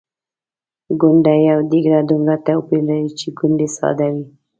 ګنډۍ او ډیګره دومره توپیر لري چې ګنډۍ ساده وي.